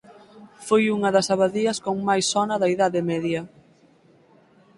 Foi unha das abadías con máis sona da Idade Media.